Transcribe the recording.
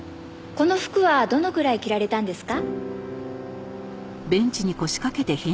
「この服はどのくらい着られたんですか？」